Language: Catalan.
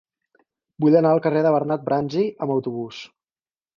Vull anar al carrer de Bernat Bransi amb autobús.